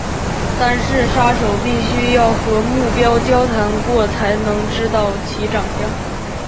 但是杀手必须要和目标交谈过才能知道其长相。